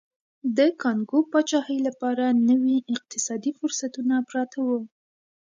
د کانګو پاچاهۍ لپاره نوي اقتصادي فرصتونه پراته وو.